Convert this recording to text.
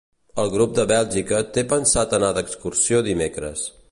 El grup de Bèlgica té pensat anar d'excursió dimecres.